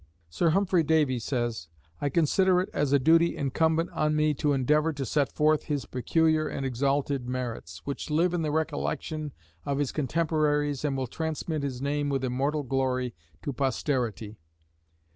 Sir Humphrey Davy says: I consider it as a duty incumbent on me to endeavor to set forth his peculiar and exalted merits, which live in the recollection of his contemporaries and will transmit his name with immortal glory to posterity.